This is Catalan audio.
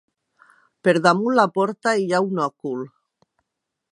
Per damunt la porta hi ha un òcul.